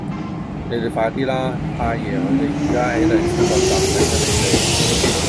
你哋快啲啦!太爺佢哋而家喺荔枝角站等緊你哋